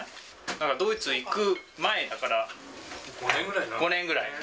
だからドイツ行く前だから、５年ぐらいかな。